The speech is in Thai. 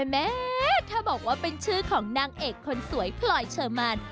แม้ถ้าบอกว่าเป็นชื่อของนางเอกคนสวยพลอยเชอร์มัน